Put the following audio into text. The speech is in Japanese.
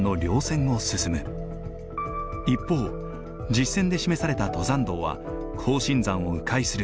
一方実線で示された登山道は庚申山を迂回する。